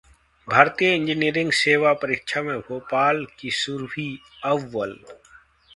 भारतीय इंजीनियरिंग सेवा परीक्षा में भोपाल की सुरभि अव्वल